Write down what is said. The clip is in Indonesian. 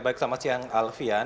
baik selamat siang alfian